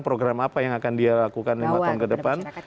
program apa yang akan dia lakukan lima tahun ke depan